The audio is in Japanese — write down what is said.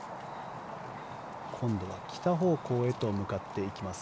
今度は北方向へと向かっていきます。